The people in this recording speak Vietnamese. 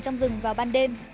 trong rừng vào ban đêm